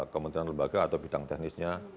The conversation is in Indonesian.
kementerian lembaga atau bidang teknisnya